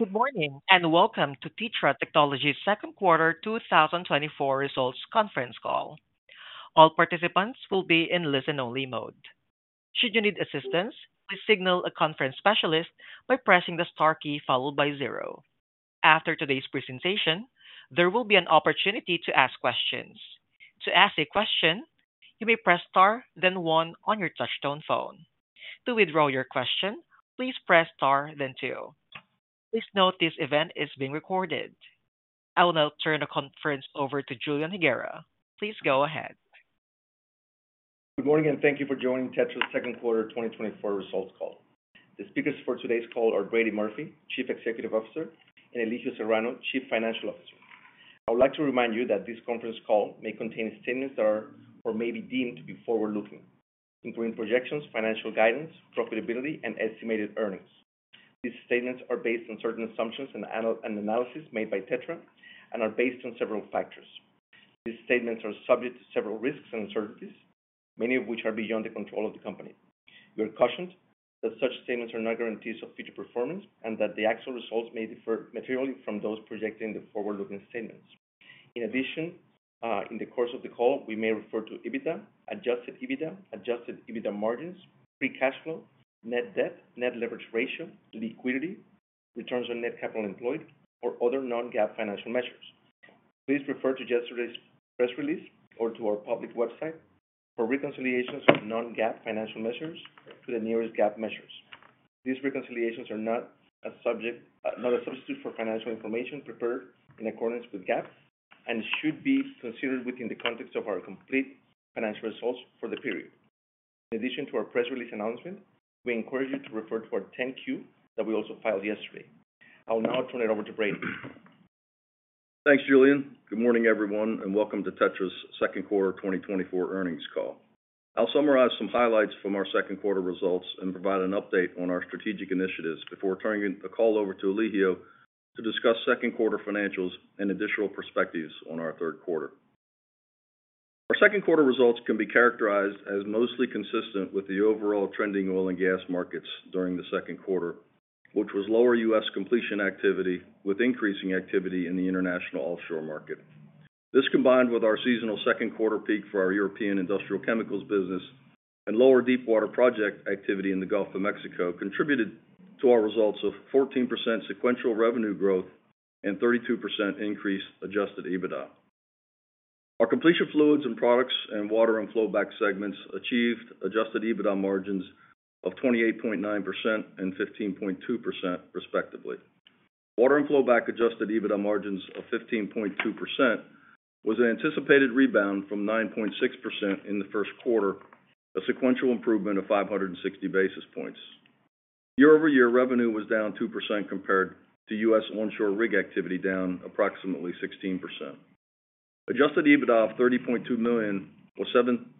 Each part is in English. Good morning, and welcome to TETRA Technologies' second quarter 2024 results conference call. All participants will be in listen-only mode. Should you need assistance, please signal a conference specialist by pressing the star key followed by zero. After today's presentation, there will be an opportunity to ask questions. To ask a question, you may press Star, then one on your touchtone phone. To withdraw your question, please press star, then two. Please note, this event is being recorded. I will now turn the conference over to Julian Higuera. Please go ahead. Good morning, and thank you for joining TETRA's second quarter 2024 results call. The speakers for today's call are Brady Murphy, Chief Executive Officer, and Elijio Serrano, Chief Financial Officer. I would like to remind you that this conference call may contain statements that are or may be deemed to be forward-looking, including projections, financial guidance, profitability, and estimated earnings. These statements are based on certain assumptions and analysis made by TETRA and are based on several factors. These statements are subject to several risks and uncertainties, many of which are beyond the control of the company. We are cautioned that such statements are not guarantees of future performance and that the actual results may differ materially from those projected in the forward-looking statements. In addition, in the course of the call, we may refer to EBITDA, adjusted EBITDA, adjusted EBITDA margins, free cash flow, net debt, net leverage ratio, liquidity, returns on net capital employed, or other non-GAAP financial measures. Please refer to yesterday's press release or to our public website for reconciliations of non-GAAP financial measures to the nearest GAAP measures. These reconciliations are not a substitute for financial information prepared in accordance with GAAP and should be considered within the context of our complete financial results for the period. In addition to our press release announcement, we encourage you to refer to our 10-Q that we also filed yesterday. I will now turn it over to Brady. Thanks, Julian. Good morning, everyone, and welcome to TETRA's second quarter 2024 earnings call. I'll summarize some highlights from our second quarter results and provide an update on our strategic initiatives before turning the call over to Eligio to discuss second quarter financials and additional perspectives on our third quarter. Our second quarter results can be characterized as mostly consistent with the overall trending oil and gas markets during the second quarter, which was lower U.S. completion activity, with increasing activity in the international offshore market. This, combined with our seasonal second quarter peak for our European industrial chemicals business and lower deepwater project activity in the Gulf of Mexico, contributed to our results of 14% sequential revenue growth and 32% increased adjusted EBITDA. Our completion fluids and products and water and flowback segments achieved Adjusted EBITDA margins of 28.9% and 15.2%, respectively. Water and flowback Adjusted EBITDA margins of 15.2% was an anticipated rebound from 9.6% in the first quarter, a sequential improvement of 560 basis points. Year-over-year, revenue was down 2% compared to U.S. onshore rig activity, down approximately 16%. Adjusted EBITDA of $30.2 million was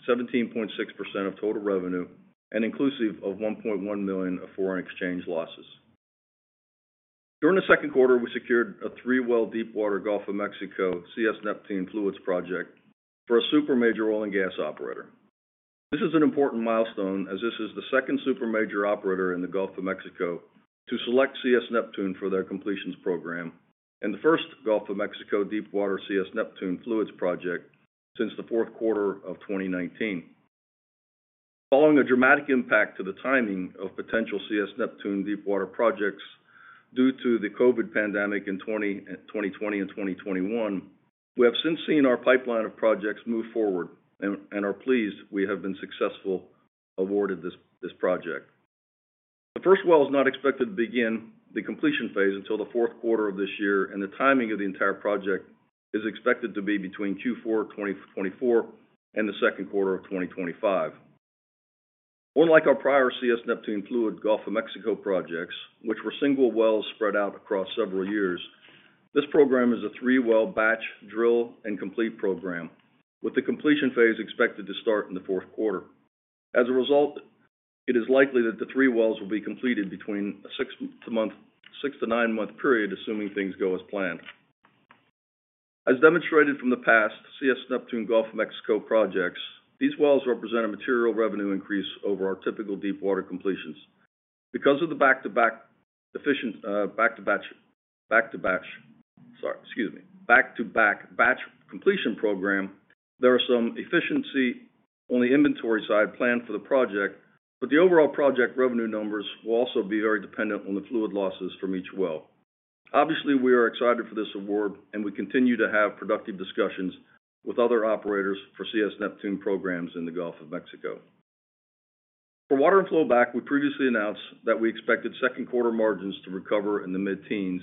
seventeen point six percent of total revenue and inclusive of $1.1 million of foreign exchange losses. During the second quarter, we secured a three-well, Deepwater Gulf of Mexico CS Neptune fluids project for a Super Major oil and gas operator. This is an important milestone, as this is the second super major operator in the Gulf of Mexico to select CS Neptune for their completions program and the first Gulf of Mexico deepwater CS Neptune fluids project since the fourth quarter of 2019. Following a dramatic impact to the timing of potential CS Neptune deepwater projects due to the COVID pandemic in 2020 and 2021, we have since seen our pipeline of projects move forward and are pleased we have been successful, awarded this project. The first well is not expected to begin the completion phase until the fourth quarter of this year, and the timing of the entire project is expected to be between Q4 2024 and the second quarter of 2025. Unlike our prior CS Neptune fluid Gulf of Mexico projects, which were single wells spread out across several years, this program is a three-well batch drill and complete program, with the completion phase expected to start in the fourth quarter. As a result, it is likely that the three wells will be completed between a six- to nine-month period, assuming things go as planned. As demonstrated from the past, CS Neptune Gulf of Mexico projects, these wells represent a material revenue increase over our typical deepwater completions. Because of the back-to-back batch completion program, there are some efficiency on the inventory side planned for the project, but the overall project revenue numbers will also be very dependent on the fluid losses from each well. Obviously, we are excited for this award, and we continue to have productive discussions with other operators for CS Neptune programs in the Gulf of Mexico. For water and flowback, we previously announced that we expected second quarter margins to recover in the mid-teens,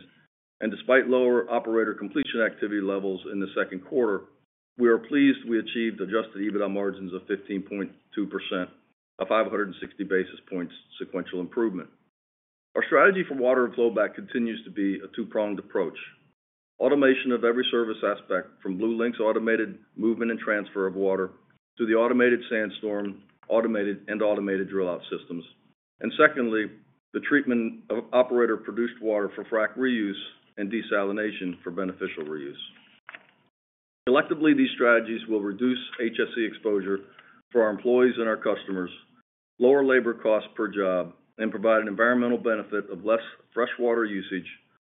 and despite lower operator completion activity levels in the second quarter, we are pleased we achieved adjusted EBITDA margins of 15.2%, a 560 basis points sequential improvement. Our strategy for water and flowback continues to be a two-pronged approach. Automation of every service aspect from BlueLinx automated movement and transfer of water to the automated SandStorm, automated, and automated drill out systems. And secondly, the treatment of operator-produced water for frack reuse and desalination for beneficial reuse. Collectively, these strategies will reduce HSE exposure for our employees and our customers, lower labor costs per job, and provide an environmental benefit of less fresh water usage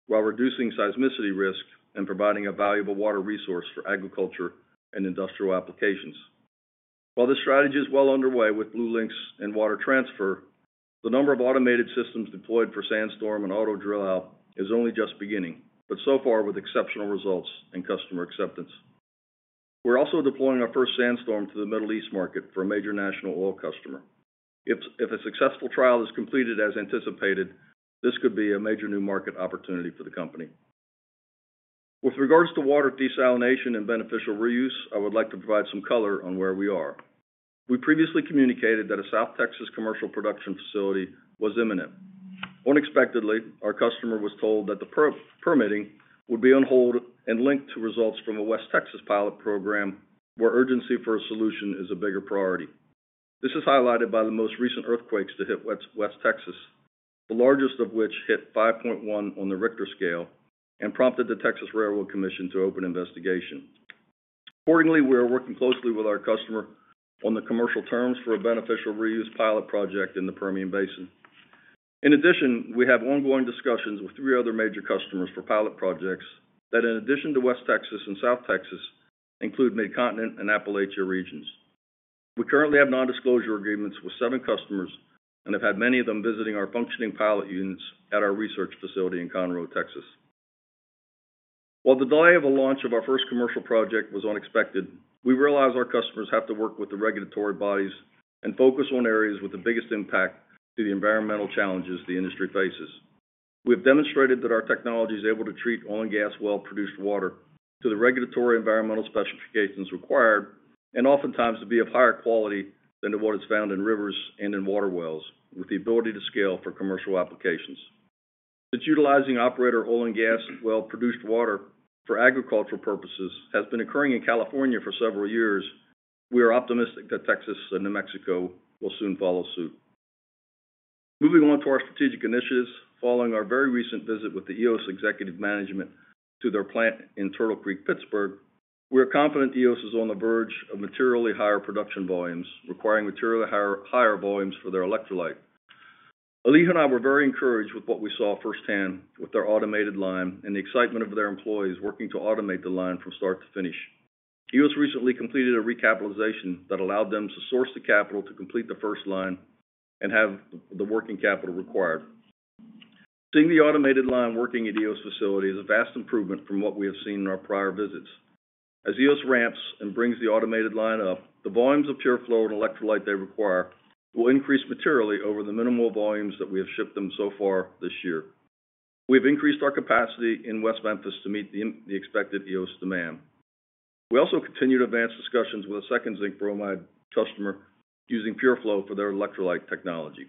while reducing seismicity risk and providing a valuable water resource for agriculture and industrial applications. While this strategy is well underway with BlueLinx and water transfer, the number of automated systems deployed for SandStorm and Auto Drill Out is only just beginning, but so far with exceptional results and customer acceptance. We're also deploying our first SandStorm to the Middle East market for a major national oil customer. If a successful trial is completed as anticipated, this could be a major new market opportunity for the company. With regards to water desalination and beneficial reuse, I would like to provide some color on where we are. We previously communicated that a South Texas commercial production facility was imminent. Unexpectedly, our customer was told that the permitting would be on hold and linked to results from a West Texas pilot program, where urgency for a solution is a bigger priority. This is highlighted by the most recent earthquakes to hit West Texas, the largest of which hit 5.1 on the Richter scale and prompted the Texas Railroad Commission to open an investigation. Accordingly, we are working closely with our customer on the commercial terms for a beneficial reuse pilot project in the Permian Basin. In addition, we have ongoing discussions with three other major customers for pilot projects that, in addition to West Texas and South Texas, include Mid-Continent and Appalachia regions. We currently have nondisclosure agreements with seven customers and have had many of them visiting our functioning pilot units at our research facility in Conroe, Texas. While the delay of the launch of our first commercial project was unexpected, we realize our customers have to work with the regulatory bodies and focus on areas with the biggest impact to the environmental challenges the industry faces. We have demonstrated that our technology is able to treat oil and gas well-produced water to the regulatory environmental specifications required, and oftentimes to be of higher quality than to what is found in rivers and in water wells, with the ability to scale for commercial applications. Since utilizing operator oil and gas well-produced water for agricultural purposes has been occurring in California for several years, we are optimistic that Texas and New Mexico will soon follow suit. Moving on to our strategic initiatives. Following our very recent visit with the Eos executive management to their plant in Turtle Creek, Pittsburgh, we are confident Eos is on the verge of materially higher production volumes, requiring materially higher, higher volumes for their electrolyte. Eligio and I were very encouraged with what we saw firsthand with their automated line and the excitement of their employees working to automate the line from start to finish. Eos recently completed a recapitalization that allowed them to source the capital to complete the first line and have the working capital required. Seeing the automated line working at Eos facility is a vast improvement from what we have seen in our prior visits. As Eos ramps and brings the automated line up, the volumes of PureFlow and electrolyte they require will increase materially over the minimal volumes that we have shipped them so far this year. We've increased our capacity in West Memphis to meet the expected Eos demand. We also continue to advance discussions with a second zinc bromide customer using PureFlow for their electrolyte technology.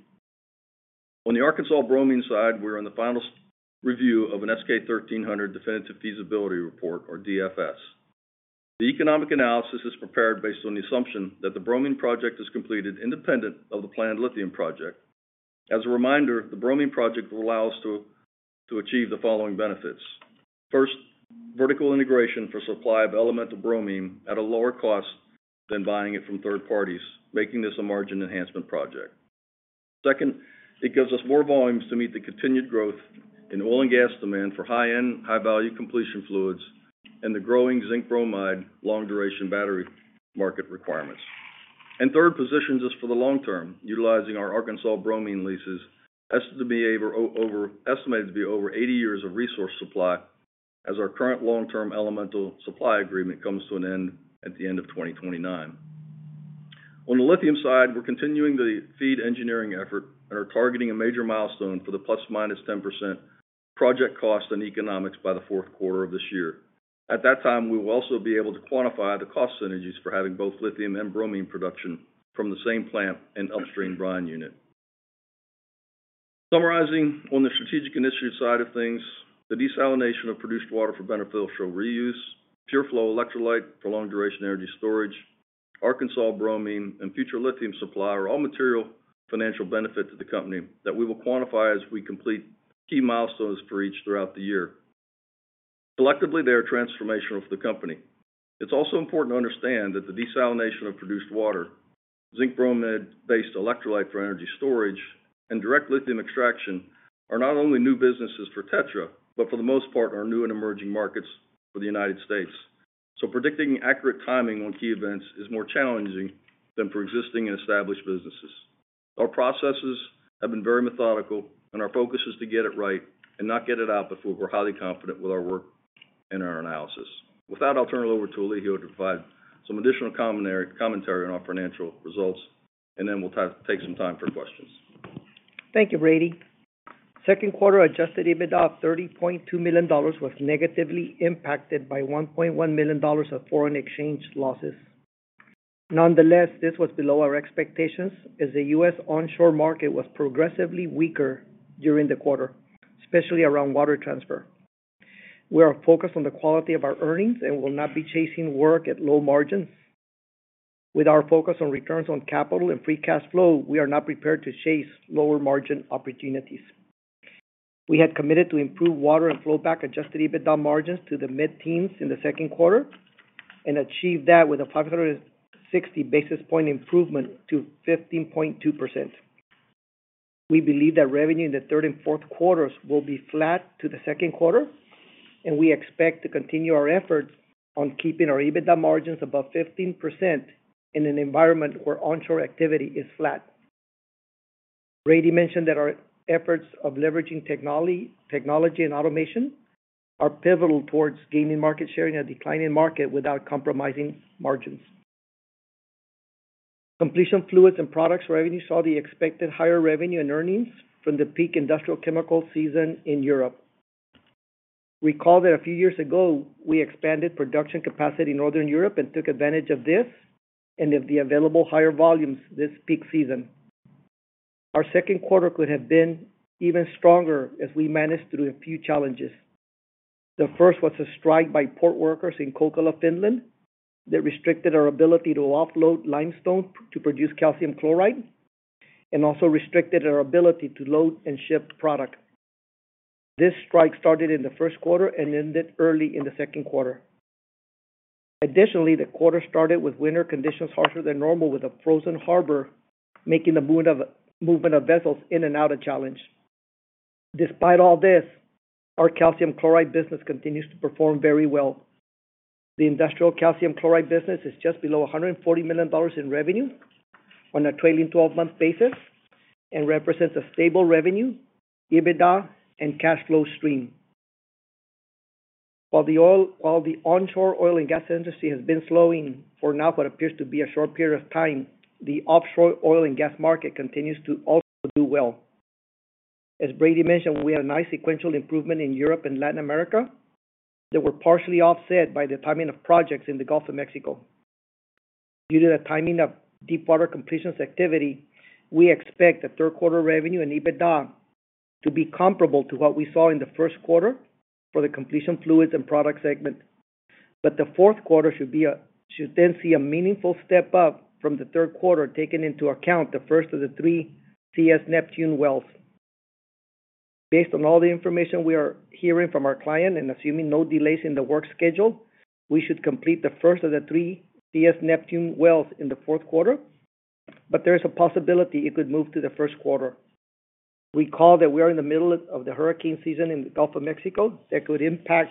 On the Arkansas bromine side, we're in the final stage review of an S-K 1300 definitive feasibility report, or DFS. The economic analysis is prepared based on the assumption that the bromine project is completed independent of the planned lithium project. As a reminder, the bromine project will allow us to achieve the following benefits: First, vertical integration for supply of elemental bromine at a lower cost than buying it from third parties, making this a margin enhancement project. Second, it gives us more volumes to meet the continued growth in oil and gas demand for high-end, high-value completion fluids and the growing zinc bromide long-duration battery market requirements. And third, positions us for the long term, utilizing our Arkansas bromine leases, estimated to be over 80 years of resource supply, as our current long-term elemental supply agreement comes to an end at the end of 2029. On the lithium side, we're continuing the FEED Engineering effort and are targeting a major milestone for the ±10% project cost and economics by the fourth quarter of this year. At that time, we will also be able to quantify the cost synergies for having both lithium and bromine production from the same plant and upstream Brine Unit. Summarizing on the strategic initiative side of things, the desalination of produced water for beneficial reuse, PureFlow electrolyte for long-duration energy storage, Arkansas bromine, and future lithium supply are all material financial benefit to the company that we will quantify as we complete key milestones for each throughout the year. Collectively, they are transformational for the company. It's also important to understand that the desalination of produced water, zinc bromide-based electrolyte for energy storage, and direct lithium extraction are not only new businesses for TETRA, but for the most part, are new and emerging markets for the United States. So predicting accurate timing on key events is more challenging than for existing and established businesses. Our processes have been very methodical, and our focus is to get it right and not get it out before we're highly confident with our work and our analysis. With that, I'll turn it over to Eligio to provide some additional commentary on our financial results, and then we'll take some time for questions. Thank you, Brady. Second quarter Adjusted EBITDA of $30.2 million was negatively impacted by $1.1 million of foreign exchange losses. Nonetheless, this was below our expectations, as the U.S. onshore market was progressively weaker during the quarter, especially around water transfer. We are focused on the quality of our earnings and will not be chasing work at low margins. With our focus on returns on capital and free cash flow, we are not prepared to chase lower margin opportunities.... We had committed to improve water and flowback Adjusted EBITDA margins to the mid-teens in the second quarter and achieved that with a 560 basis point improvement to 15.2%. We believe that revenue in the third and fourth quarters will be flat to the second quarter, and we expect to continue our efforts on keeping our EBITDA margins above 15% in an environment where onshore activity is flat. Brady mentioned that our efforts of leveraging technology and automation are pivotal towards gaining market share in a declining market without compromising margins. Completion fluids and products revenue saw the expected higher revenue and earnings from the peak industrial chemical season in Europe. Recall that a few years ago, we expanded production capacity in Northern Europe and took advantage of this, and of the available higher volumes this peak season. Our second quarter could have been even stronger as we managed through a few challenges. The first was a strike by port workers in Kokkola, Finland, that restricted our ability to offload limestone to produce calcium chloride and also restricted our ability to load and ship product. This strike started in the first quarter and ended early in the second quarter. Additionally, the quarter started with winter conditions harsher than normal, with a frozen harbor making the movement of vessels in and out a challenge. Despite all this, our calcium chloride business continues to perform very well. The industrial calcium chloride business is just below $140 million in revenue on a trailing twelve-month basis and represents a stable revenue, EBITDA, and cash flow stream. While the onshore oil and gas industry has been slowing for now, what appears to be a short period of time, the offshore oil and gas market continues to also do well. As Brady mentioned, we had a nice sequential improvement in Europe and Latin America that were partially offset by the timing of projects in the Gulf of Mexico. Due to the timing of deepwater completions activity, we expect the third quarter revenue and EBITDA to be comparable to what we saw in the first quarter for the completion fluids and product segment. But the fourth quarter should then see a meaningful step up from the third quarter, taking into account the first of the three CS Neptune wells. Based on all the information we are hearing from our client and assuming no delays in the work schedule, we should complete the first of the three CS Neptune wells in the fourth quarter, but there is a possibility it could move to the first quarter. Recall that we are in the middle of the hurricane season in the Gulf of Mexico. That could impact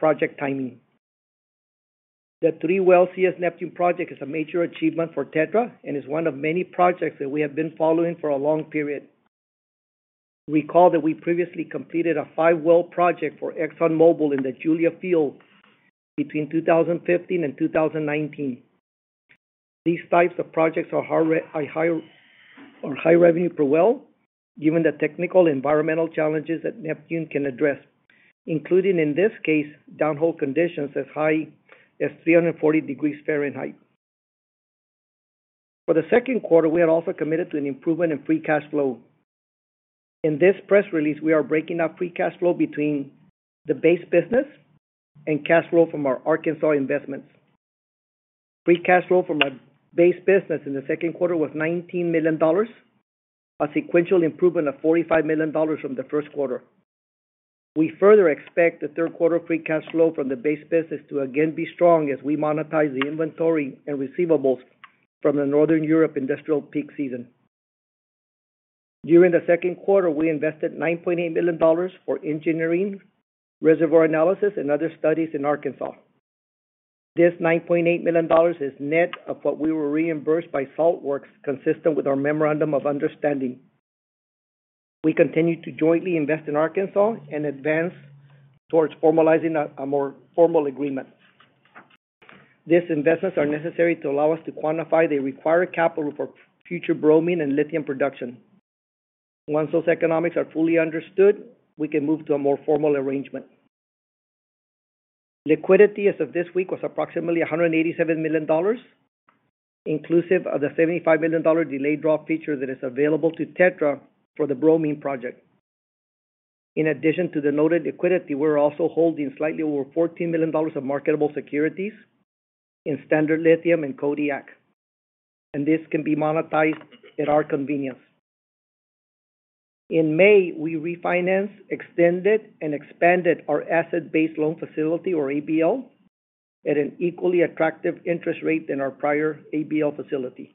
project timing. The three-well CS Neptune project is a major achievement for TETRA and is one of many projects that we have been following for a long period. Recall that we previously completed a five-well project for ExxonMobil in the Julia Field between 2015 and 2019. These types of projects are higher, are high revenue per well, given the technical environmental challenges that Neptune can address, including, in this case, downhole conditions as high as 340 degrees Fahrenheit. For the second quarter, we are also committed to an improvement in free cash flow. In this press release, we are breaking up free cash flow between the base business and cash flow from our Arkansas investments. Free cash flow from our base business in the second quarter was $19 million, a sequential improvement of $45 million from the first quarter. We further expect the third quarter free cash flow from the base business to again be strong as we monetize the inventory and receivables from the Northern Europe industrial peak season. During the second quarter, we invested $9.8 million for engineering, reservoir analysis, and other studies in Arkansas. This $9.8 million is net of what we were reimbursed by Saltwerx, consistent with our memorandum of understanding. We continue to jointly invest in Arkansas and advance towards formalizing a more formal agreement. These investments are necessary to allow us to quantify the required capital for future bromine and lithium production. Once those economics are fully understood, we can move to a more formal arrangement. Liquidity as of this week was approximately $187 million, inclusive of the $75 million delayed draw feature that is available to TETRA for the bromine project. In addition to the noted liquidity, we're also holding slightly over $14 million of marketable securities in Standard Lithium and Kodiak, and this can be monetized at our convenience. In May, we refinanced, extended, and expanded our asset-based loan facility, or ABL, at an equally attractive interest rate than our prior ABL facility.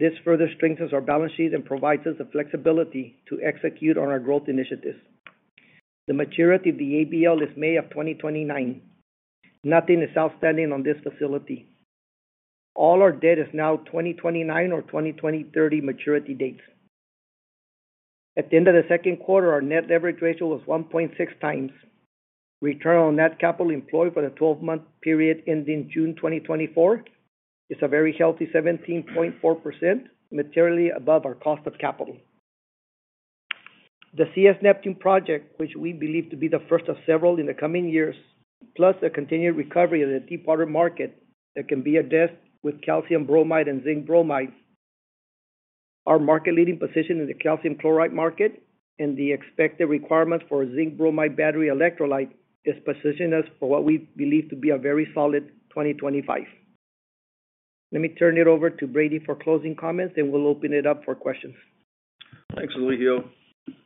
This further strengthens our balance sheet and provides us the flexibility to execute on our growth initiatives. The maturity of the ABL is May of 2029. Nothing is outstanding on this facility. All our debt is now 2029 or 2030 maturity dates. At the end of the second quarter, our net leverage ratio was 1.6x. Return on net capital employed for the twelve-month period ending June 2024 is a very healthy 17.4%, materially above our cost of capital. The CS Neptune project, which we believe to be the first of several in the coming years, plus the continued recovery of the deepwater market that can be addressed with calcium bromide and zinc bromide. Our market-leading position in the calcium chloride market and the expected requirements for zinc bromide battery electrolyte has positioned us for what we believe to be a very solid 2025. Let me turn it over to Brady for closing comments, then we'll open it up for questions. Thanks, Eligio.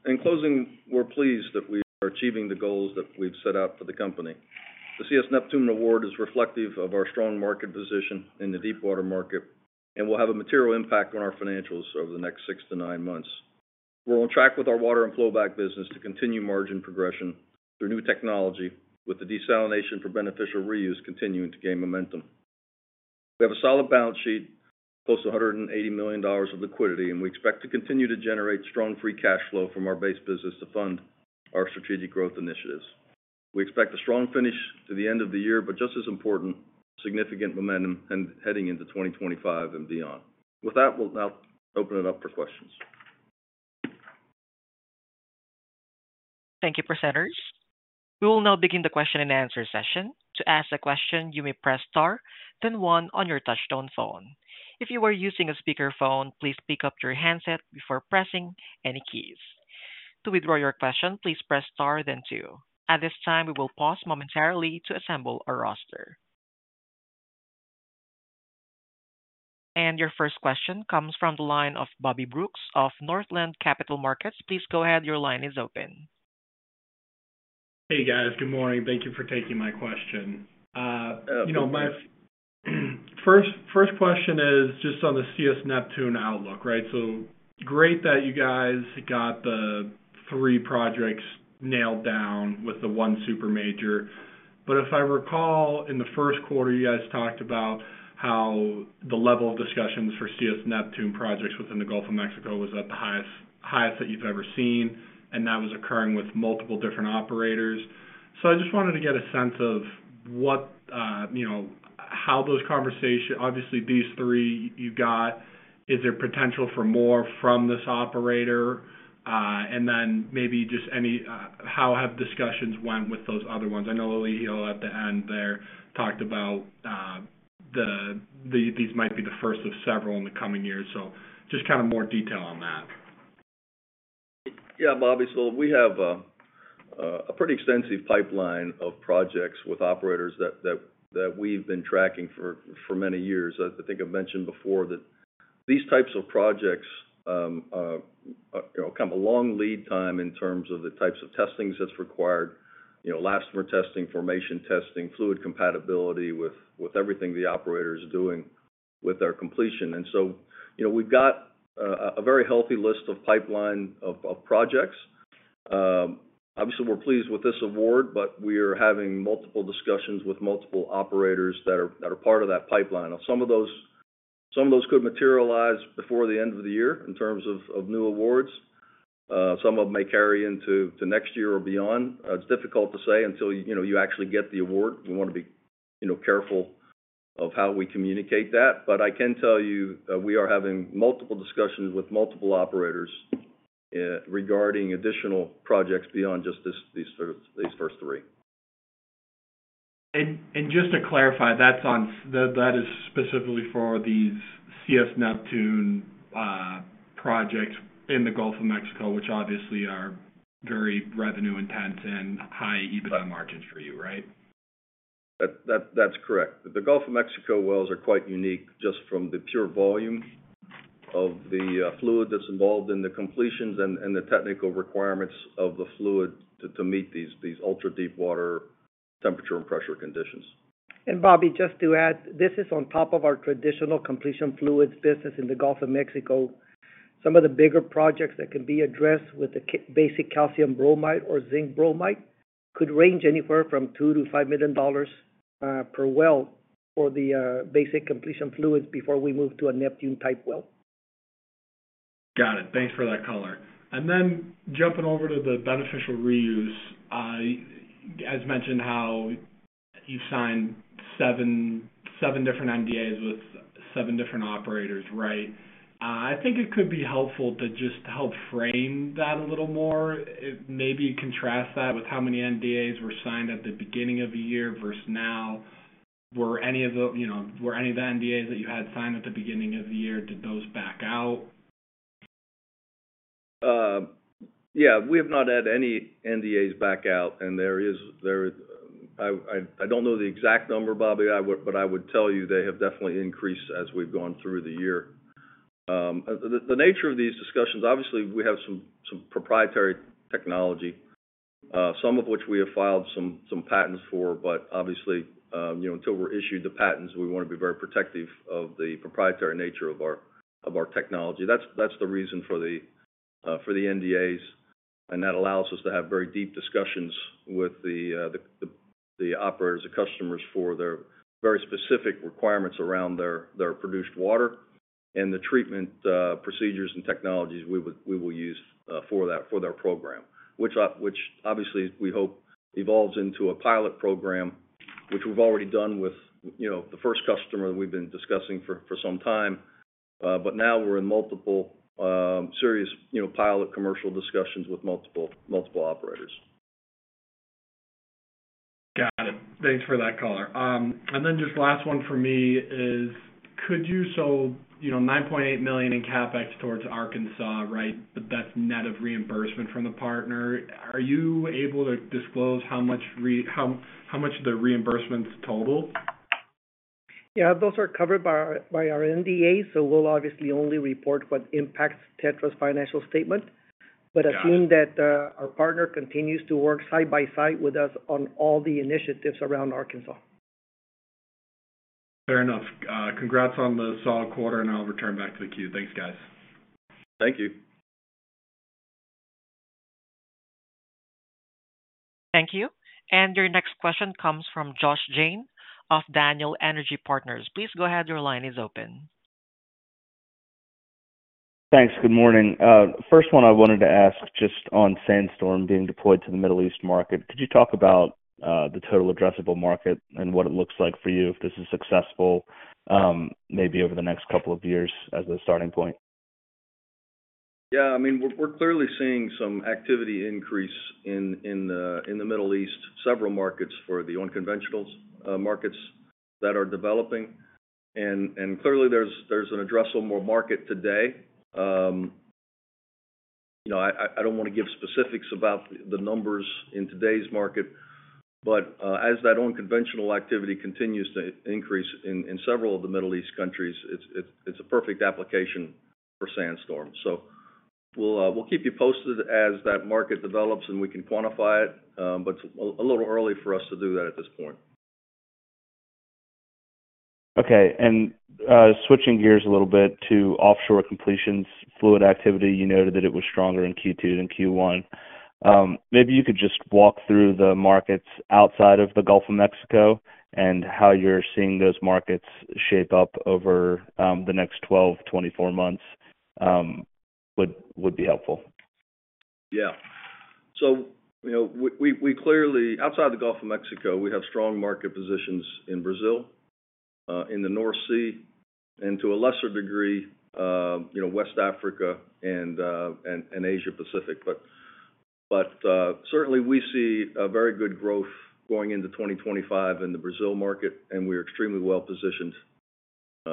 In closing, we're pleased that we are achieving the goals that we've set out for the company. The CS Neptune award is reflective of our strong market position in the deepwater market, and will have a material impact on our financials over the next 6-9 months. We're on track with our water and flowback business to continue margin progression through new technology, with the desalination for beneficial reuse continuing to gain momentum. We have a solid balance sheet, close to $180 million of liquidity, and we expect to continue to generate strong free cash flow from our base business to fund our strategic growth initiatives. We expect a strong finish to the end of the year, but just as important, significant momentum and heading into 2025 and beyond. With that, we'll now open it up for questions. Thank you, presenters. We will now begin the question and answer session. To ask a question, you may press Star, then One on your touchtone phone. If you are using a speakerphone, please pick up your handset before pressing any keys. To withdraw your question, please press Star, then Two. At this time, we will pause momentarily to assemble our roster. And your first question comes from the line of Bobby Brooks of Northland Capital Markets. Please go ahead. Your line is open. Hey, guys. Good morning. Thank you for taking my question. You know, my first question is just on the CS Neptune outlook, right? So great that you guys got the three projects nailed down with the one super major. But if I recall, in the first quarter, you guys talked about how the level of discussions for CS Neptune projects within the Gulf of Mexico was at the highest that you've ever seen, and that was occurring with multiple different operators. So I just wanted to get a sense of what, you know, how those conversations, obviously, these three you got, is there potential for more from this operator? And then maybe just any, how have discussions went with those other ones? I know Eligio, at the end there, talked about these might be the first of several in the coming years, so just kind of more detail on that. Yeah, Bobby, so we have a pretty extensive pipeline of projects with operators that we've been tracking for many years. I think I've mentioned before that these types of projects come a long lead time in terms of the types of testings that's required. You know, elastomer testing, formation testing, fluid compatibility with everything the operator is doing with their completion. And so, you know, we've got a very healthy list of pipeline projects. Obviously, we're pleased with this award, but we are having multiple discussions with multiple operators that are part of that pipeline. Now, some of those could materialize before the end of the year in terms of new awards. Some of them may carry into next year or beyond. It's difficult to say until, you know, you actually get the award. We want to be, you know, careful of how we communicate that. But I can tell you that we are having multiple discussions with multiple operators, regarding additional projects beyond just this, these first three. Just to clarify, that is specifically for these CS Neptune projects in the Gulf of Mexico, which obviously are very revenue intense and high EBITDA margins for you, right? That's correct. The Gulf of Mexico wells are quite unique, just from the pure volume of the fluid that's involved in the completions and the technical requirements of the fluid to meet these ultra-deepwater temperature and pressure conditions. And Bobby, just to add, this is on top of our traditional completion fluids business in the Gulf of Mexico. Some of the bigger projects that can be addressed with the basic calcium bromide or zinc bromide could range anywhere from $2 million-$5 million per well for the basic completion fluids before we move to a Neptune-type well. Got it. Thanks for that color. And then jumping over to the beneficial reuse, as mentioned, how you've signed seven, seven different NDAs with seven different operators, right? I think it could be helpful to just help frame that a little more. Maybe contrast that with how many NDAs were signed at the beginning of the year versus now. Were any of the—you know, were any of the NDAs that you had signed at the beginning of the year, did those back out? Yeah, we have not had any NDAs back out, and there is... I don't know the exact number, Bobby, but I would tell you they have definitely increased as we've gone through the year. The nature of these discussions, obviously, we have some proprietary technology, some of which we have filed some patents for. But obviously, you know, until we're issued the patents, we want to be very protective of the proprietary nature of our technology. That's the reason for the NDAs, and that allows us to have very deep discussions with the operators, the customers, for their very specific requirements around their produced water and the treatment procedures and technologies we will use for that, for their program. Which obviously, we hope evolves into a pilot program, which we've already done with, you know, the first customer we've been discussing for, for some time. But now we're in multiple, serious, you know, pilot commercial discussions with multiple, multiple operators. Got it. Thanks for that color. And then just last one for me is, could you, so, you know, $9.8 million in CapEx towards Arkansas, right? That's net of reimbursement from the partner. Are you able to disclose how much the reimbursements total? Yeah, those are covered by our NDA, so we'll obviously only report what impacts TETRA's financial statement. Assume that our partner continues to work side by side with us on all the initiatives around Arkansas. Fair enough. Congrats on the solid quarter, and I'll return back to the queue. Thanks, guys. Thank you. Thank you. And your next question comes from Josh Jayne of Daniel Energy Partners. Please go ahead. Your line is open. Thanks. Good morning. First one I wanted to ask, just on SandStorm being deployed to the Middle East market. Could you talk about the total addressable market and what it looks like for you if this is successful, maybe over the next couple of years as a starting point? Yeah, I mean, we're clearly seeing some activity increase in the Middle East, several markets for the unconventionals, markets that are developing. And clearly, there's an addressable more market today. You know, I don't wanna give specifics about the numbers in today's market, but as that unconventional activity continues to increase in several of the Middle East countries, it's a perfect application for SandStorm. So we'll keep you posted as that market develops, and we can quantify it, but it's a little early for us to do that at this point. Okay. And, switching gears a little bit to offshore completions, fluid activity. You noted that it was stronger in Q2 than Q1. Maybe you could just walk through the markets outside of the Gulf of Mexico and how you're seeing those markets shape up over the next 12-24 months, would be helpful. Yeah. So you know, we clearly, outside the Gulf of Mexico, we have strong market positions in Brazil, in the North Sea, and to a lesser degree, you know, West Africa and Asia Pacific. But certainly we see a very good growth going into 2025 in the Brazil market, and we're extremely well positioned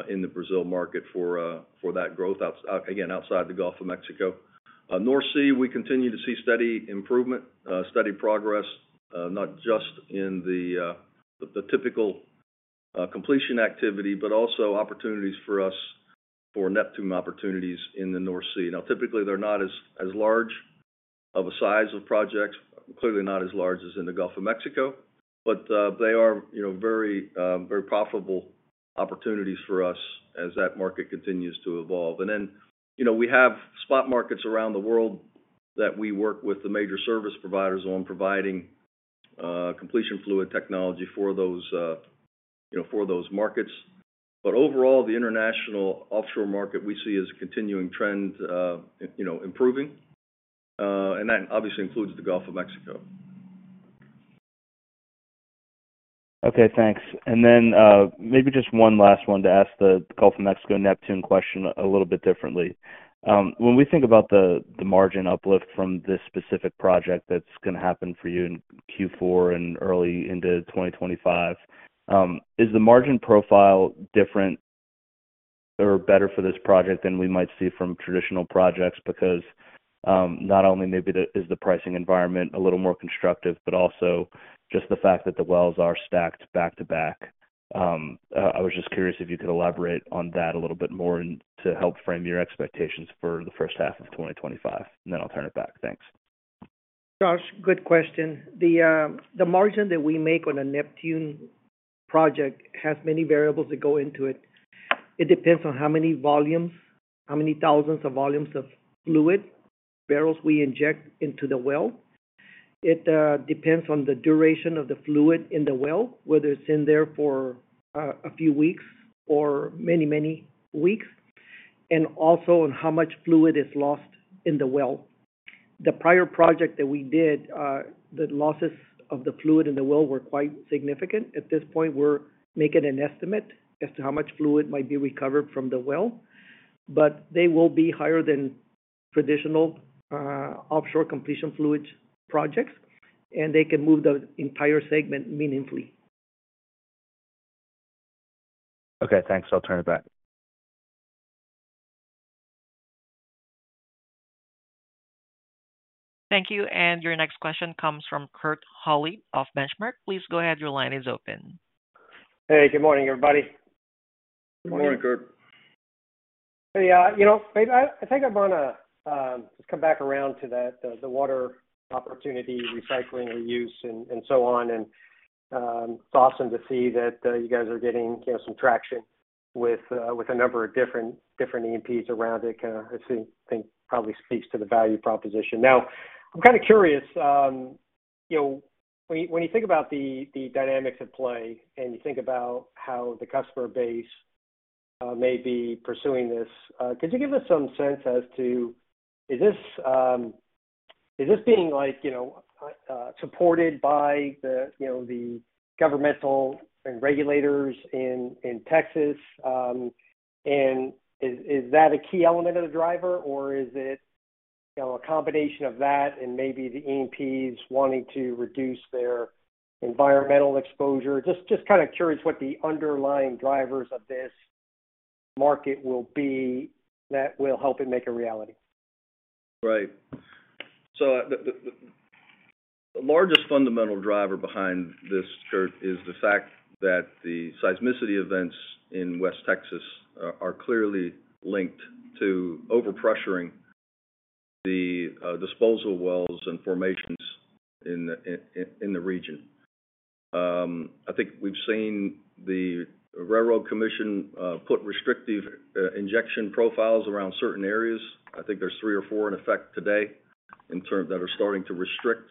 in the Brazil market for that growth, again, outside the Gulf of Mexico. North Sea, we continue to see steady improvement, steady progress, not just in the typical completion activity, but also opportunities for us for Neptune opportunities in the North Sea. Now, typically, they're not as large of a size of projects, clearly not as large as in the Gulf of Mexico, but they are, you know, very very profitable opportunities for us as that market continues to evolve. And then, you know, we have spot markets around the world that we work with the major service providers on providing completion fluid technology for those, you know, for those markets. But overall, the international offshore market we see as a continuing trend, you know, improving, and that obviously includes the Gulf of Mexico. Okay, thanks. And then, maybe just one last one, to ask the Gulf of Mexico Neptune question a little bit differently. When we think about the margin uplift from this specific project that's gonna happen for you in Q4 and early into 2025, is the margin profile different or better for this project than we might see from traditional projects? Because not only maybe is the pricing environment a little more constructive, but also just the fact that the wells are stacked back-to-back. I was just curious if you could elaborate on that a little bit more and to help frame your expectations for the first half of 2025, and then I'll turn it back. Thanks. Josh, good question. The margin that we make on a Neptune project has many variables that go into it. It depends on how many volumes, how many thousands of volumes of fluid barrels we inject into the well. It depends on the duration of the fluid in the well, whether it's in there for a few weeks or many, many weeks, and also on how much fluid is lost in the well. The prior project that we did, the losses of the fluid in the well were quite significant. At this point, we're making an estimate as to how much fluid might be recovered from the well, but they will be higher than traditional offshore completion fluids projects, and they can move the entire segment meaningfully. Okay, thanks. I'll turn it back. Thank you. Your next question comes from Kurt Hallead of Benchmark. Please go ahead. Your line is open. Hey, good morning, everybody. Good morning, Kurt. Hey, you know, maybe I think I'm gonna just come back around to that, the water opportunity, recycling and use and so on. It's awesome to see that you guys are getting, you know, some traction with a number of different E&Ps around it. I think probably speaks to the value proposition. Now, I'm kind of curious, you know, when you think about the dynamics at play and you think about how the customer base may be pursuing this, could you give us some sense as to, is this being like, you know, supported by the governmental and regulators in Texas? Is that a key element of the driver, or is it, you know, a combination of that and maybe the E&Ps wanting to reduce their environmental exposure? Just kind of curious what the underlying drivers of this market will be that will help it make a reality. Right. So the largest fundamental driver behind this, Kurt, is the fact that the seismicity events in West Texas are clearly linked to over-pressuring the disposal wells and formations in the region. I think we've seen the Railroad Commission put restrictive injection profiles around certain areas. I think there's three or four in effect today that are starting to restrict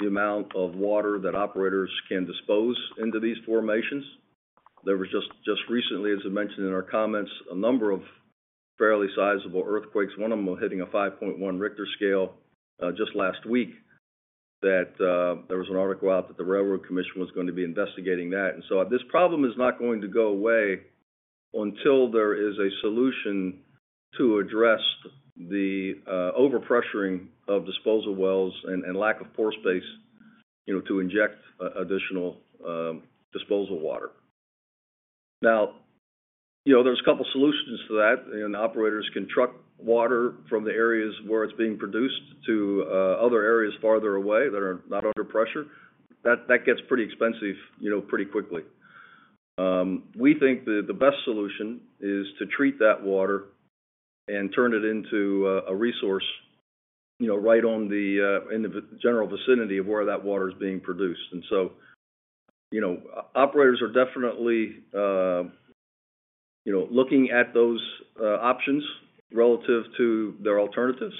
the amount of water that operators can dispose into these formations. There was just recently, as I mentioned in our comments, a number of fairly sizable earthquakes, one of them hitting a 5.1 Richter scale just last week, that there was an article out that the Railroad Commission was going to be investigating that. And so this problem is not going to go away until there is a solution to address the over-pressuring of disposal wells and lack of pore space, you know, to inject additional disposal water. Now, you know, there's a couple solutions to that, and operators can truck water from the areas where it's being produced to other areas farther away that are not under pressure. That gets pretty expensive, you know, pretty quickly. We think that the best solution is to treat that water and turn it into a resource, you know, right on the in the general vicinity of where that water is being produced. And so, you know, operators are definitely you know, looking at those options relative to their alternatives.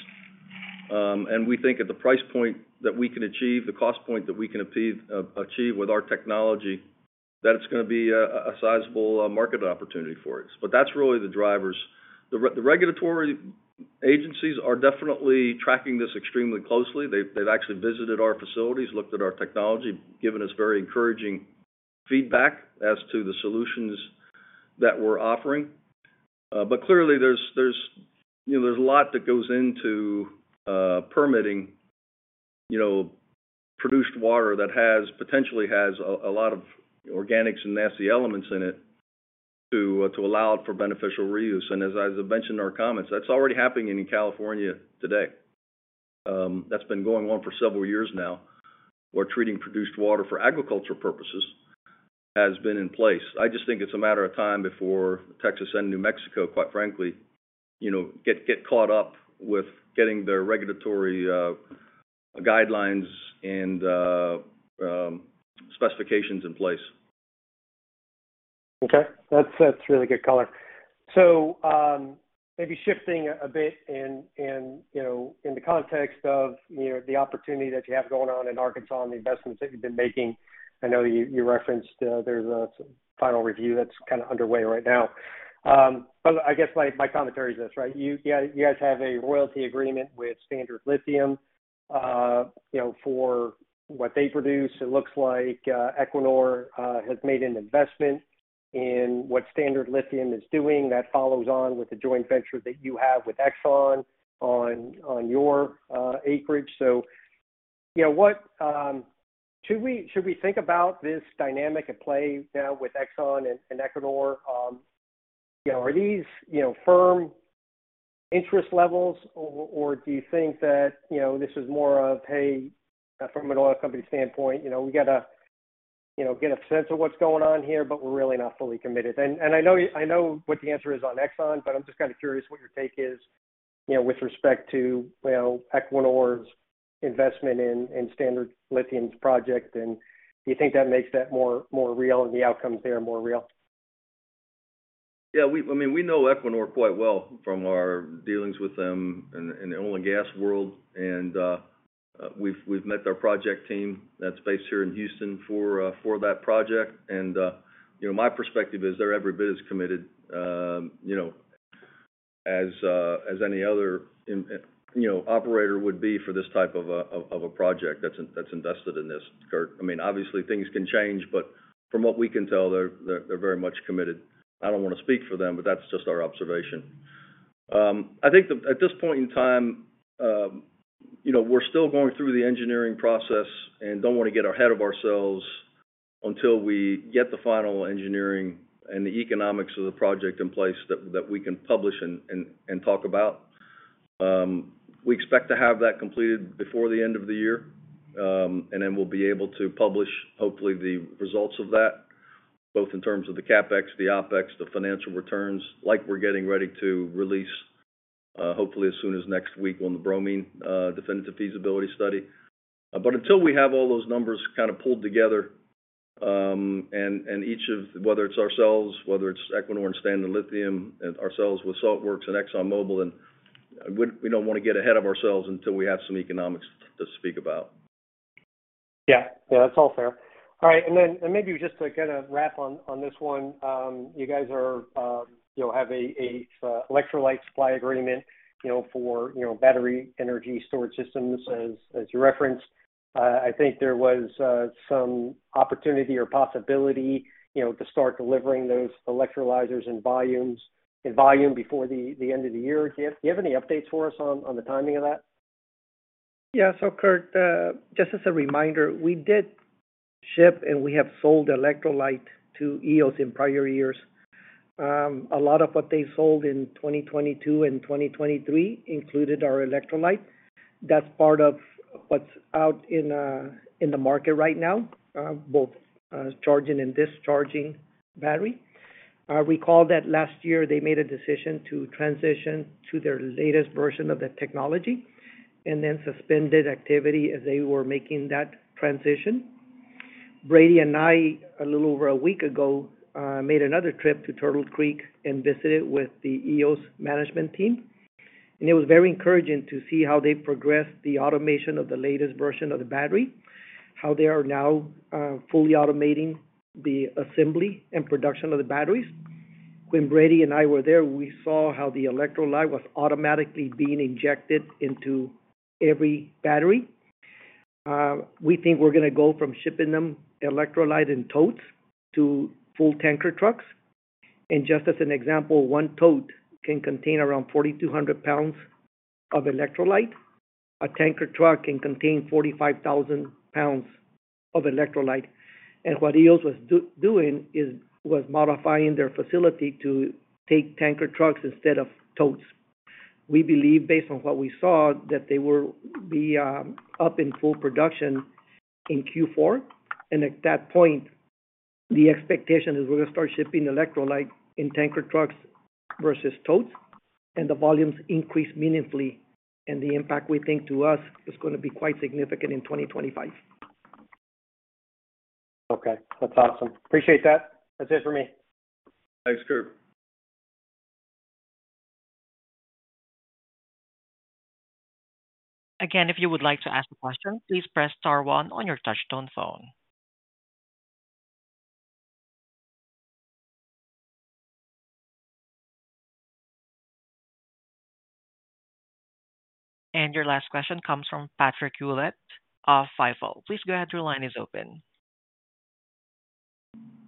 And we think at the price point that we can achieve, the cost point that we can achieve with our technology, that it's gonna be a sizable market opportunity for us. But that's really the drivers. The regulatory agencies are definitely tracking this extremely closely. They've actually visited our facilities, looked at our technology, given us very encouraging feedback as to the solutions that we're offering. But clearly, there's, you know, there's a lot that goes into permitting, you know, produced water that potentially has a lot of organics and nasty elements in it, to allow it for beneficial reuse. And as I mentioned in our comments, that's already happening in California today. That's been going on for several years now, where treating produced water for agricultural purposes has been in place. I just think it's a matter of time before Texas and New Mexico, quite frankly, you know, get caught up with getting their regulatory guidelines and specifications in place. Okay. That's, that's really good color. So, maybe shifting a bit and, you know, in the context of, you know, the opportunity that you have going on in Arkansas and the investments that you've been making, I know you referenced there's a final review that's kind of underway right now. But I guess my commentary is this, right? You-- yeah, you guys have a royalty agreement with Standard Lithium, you know, for what they produce. It looks like Equinor has made an investment in what Standard Lithium is doing. That follows on with the joint venture that you have with Exxon on your acreage. So, you know, what... Should we think about this dynamic at play now with Exxon and Equinor? You know, are these, you know, firm interest levels, or, or do you think that, you know, this is more of, "Hey, from an oil company standpoint, you know, we got to, you know, get a sense of what's going on here, but we're really not fully committed?" And I know what the answer is on Exxon, but I'm just kind of curious what your take is, you know, with respect to, well, Equinor's investment in, in Standard Lithium's project. And do you think that makes that more, more real and the outcomes there more real? Yeah, I mean, we know Equinor quite well from our dealings with them in the oil and gas world, and we've met their project team that's based here in Houston for that project. And you know, my perspective is, they're every bit as committed, you know, as any other operator would be for this type of a project that's invested in this, Kurt. I mean, obviously, things can change, but from what we can tell, they're very much committed. I don't want to speak for them, but that's just our observation. I think that at this point in time, you know, we're still going through the engineering process and don't want to get ahead of ourselves until we get the final engineering and the economics of the project in place that we can publish and talk about. We expect to have that completed before the end of the year. And then we'll be able to publish, hopefully, the results of that, both in terms of the CapEx, the OpEx, the financial returns, like we're getting ready to release, hopefully as soon as next week on the bromine definitive feasibility study. But until we have all those numbers kind of pulled together, and each of—whether it's ourselves, whether it's Equinor and Standard Lithium, and ourselves with Saltworks and ExxonMobil, and we don't want to get ahead of ourselves until we have some economics to speak about. Yeah. Yeah, that's all fair. All right, and then maybe just to get a wrap on this one, you guys, you know, have a electrolyte supply agreement, you know, for battery energy storage systems, as you referenced. I think there was some opportunity or possibility, you know, to start delivering those electrolytes in volume before the end of the year. Do you have any updates for us on the timing of that? Yeah. So, Kurt, just as a reminder, we did ship, and we have sold electrolyte to Eos in prior years. A lot of what they sold in 2022 and 2023 included our electrolyte. That's part of what's out in the market right now, both charging and discharging battery. We call that last year they made a decision to transition to their latest version of the technology and then suspended activity as they were making that transition. Brady and I, a little over a week ago, made another trip to Turtle Creek and visited with the Eos management team, and it was very encouraging to see how they progressed the automation of the latest version of the battery, how they are now fully automating the assembly and production of the batteries. When Brady and I were there, we saw how the electrolyte was automatically being injected into every battery. We think we're gonna go from shipping them electrolyte in totes to full tanker trucks. And just as an example, one tote can contain around 4,200 lbs of electrolyte. A tanker truck can contain 45,000 pounds of electrolyte. And what Eos was doing is modifying their facility to take tanker trucks instead of totes. We believe, based on what we saw, that they will be up in full production in Q4. And at that point, the expectation is we're gonna start shipping electrolyte in tanker trucks versus totes, and the volumes increase meaningfully, and the impact, we think, to us, is gonna be quite significant in 2025. Okay, that's awesome. Appreciate that. That's it for me. Thanks, Kirk. Again, if you would like to ask a question, please press star one on your touchtone phone. Your last question comes from Patrick Hulett of Stifel. Please go ahead, your line is open.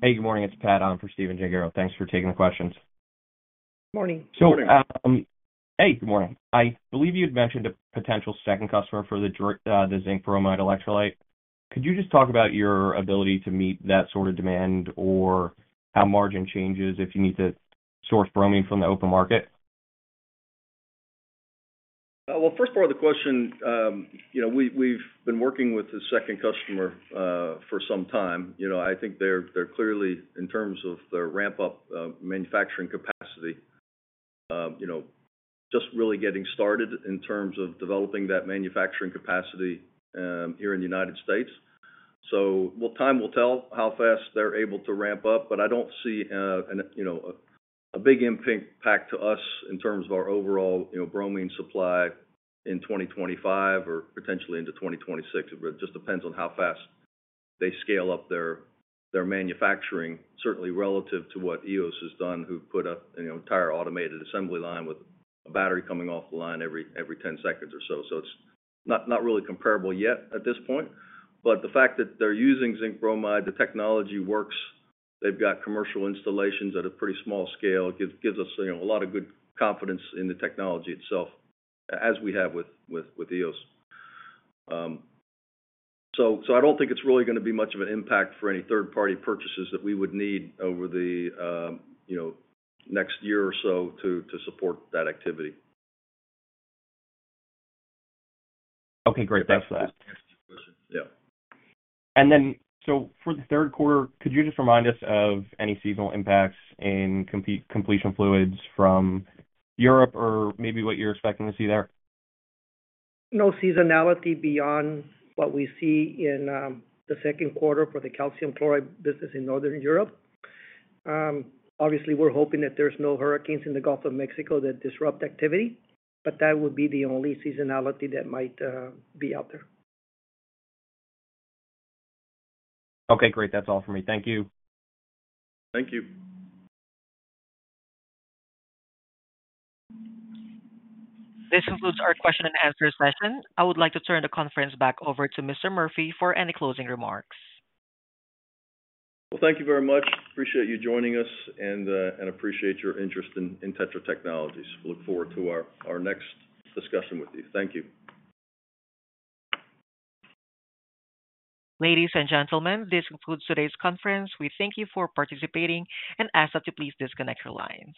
Hey, good morning, it's Pat on for Steven Gengaro. Thanks for taking the questions. Morning. Morning. Hey, good morning. I believe you had mentioned a potential second customer for the zinc bromide electrolyte. Could you just talk about your ability to meet that sort of demand, or how margin changes if you need to source bromine from the open market? Well, first part of the question, you know, we, we've been working with the second customer for some time. You know, I think they're, they're clearly, in terms of their ramp-up, manufacturing capacity, you know, just really getting started in terms of developing that manufacturing capacity here in the United States. So, well, time will tell how fast they're able to ramp up, but I don't see a big impact back to us in terms of our overall, you know, bromine supply in 2025 or potentially into 2026. It just depends on how fast they scale up their, their manufacturing, certainly relative to what Eos has done, who've put up an entire automated assembly line with a battery coming off the line every 10 seconds or so. So it's not really comparable yet at this point. But the fact that they're using zinc bromide, the technology works. They've got commercial installations at a pretty small scale. Gives us, you know, a lot of good confidence in the technology itself, as we have with Eos. So I don't think it's really gonna be much of an impact for any third-party purchases that we would need over the, you know, next year or so to support that activity. Okay, great. Thanks for that. Yeah. So for the third quarter, could you just remind us of any seasonal impacts in Completion Fluids from Europe or maybe what you're expecting to see there? No seasonality beyond what we see in the second quarter for the calcium chloride business in Northern Europe. Obviously, we're hoping that there's no hurricanes in the Gulf of Mexico that disrupt activity, but that would be the only seasonality that might be out there. Okay, great. That's all for me. Thank you. Thank you. This concludes our question and answer session. I would like to turn the conference back over to Mr. Murphy for any closing remarks. Well, thank you very much. Appreciate you joining us, and appreciate your interest in TETRA Technologies. We look forward to our next discussion with you. Thank you. Ladies and gentlemen, this concludes today's conference. We thank you for participating and ask that you please disconnect your lines.